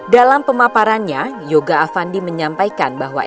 dalam pemaparannya yoga afandi menyampaikan bahwa